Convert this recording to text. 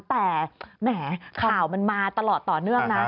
แต่แหมข่าวมันมาตลอดต่อเนื่องนะ